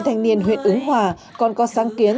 thanh niên huyện ứng hòa còn có sáng kiến